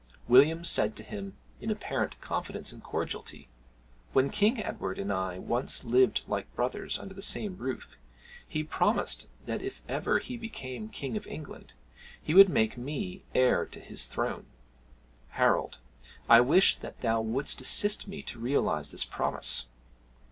William said to him, in apparent confidence and cordiality, "When King Edward and I once lived like brothers under the same roof, he promised that if ever he became King of England, he would make me heir to his throne. Harold, I wish that thou wouldst assist me to realize this promise."